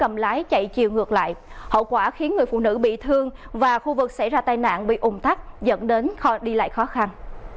và đe trúng một xe máy chạy chiều ngược lại hậu quả khiến người phụ nữ bị thương và khu vực xảy ra tai nạn bị ủng tắc dẫn đến đi lại khó khăn